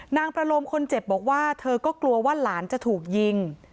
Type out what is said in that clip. นางประโลมคนเจ็บบอกว่าเธอก็กลัวว่าหลานจะถูกยิง